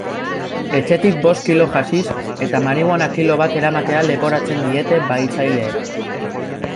Etxetik bost kilo haxix eta marihuana kilo bat eramatea leporatzen diete bahitzaileek.